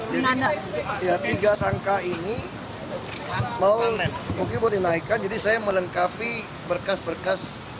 jadi tiga sangka ini mungkin boleh dinaikkan jadi saya melengkapi berkas berkas